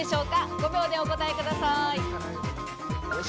５秒でお答えください。